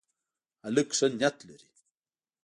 هلک ښه نیت لري.